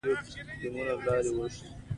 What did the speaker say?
درنې چاودنې وسوې غر يې له غره سره وښوراوه.